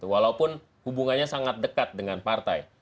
walaupun hubungannya sangat dekat dengan partai